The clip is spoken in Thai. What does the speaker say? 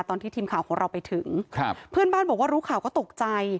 ตอนที่ทีมข่าวของเราไปถึงครับเพื่อนบ้านบอกว่ารู้ข่าวก็ตกใจ